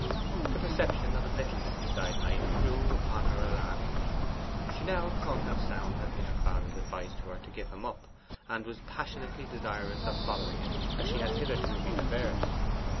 The perception of his littleness beside Knight grew upon her alarmingly. She now thought how sound had been her father's advice to her to give him up, and was as passionately desirous of following it as she had hitherto been averse.